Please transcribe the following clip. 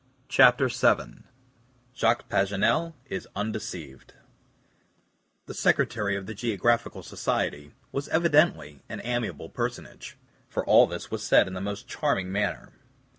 CHAPTER VII JACQUES PAGANEL IS UNDECEIVED THE Secretary of the Geographical Society was evidently an amiable personage, for all this was said in a most charming manner.